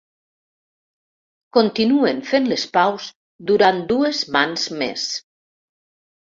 Continuen fent les paus durant dues mans més.